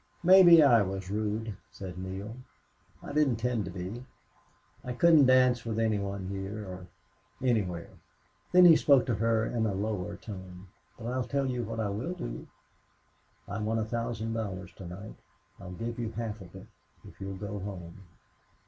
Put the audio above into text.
"Maybe I was rude," said Neale. "I didn't intend to be. I couldn't dance with any one here or anywhere...." Then he spoke to her in a lower tone. "But I'll tell you what I will do. I won a thousand dollars to night. I'll give you half of it if you'll go home."